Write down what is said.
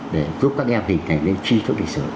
để giúp các em hình thành những chi thức lịch sử